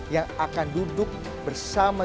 yang akan duduk bersama